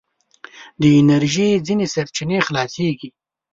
د انرژي ځينې سرچينې خلاصیږي.